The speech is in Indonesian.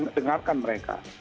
jadi kita dengarkan mereka